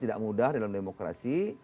tidak mudah dalam demokrasi